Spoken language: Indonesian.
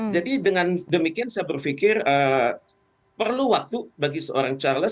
jadi dengan demikian saya berpikir perlu waktu bagi seorang charles